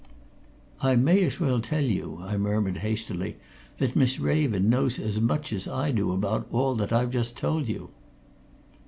"I may as well tell you," I murmured hastily, "that Miss Raven knows as much as I do about all that I've just told you."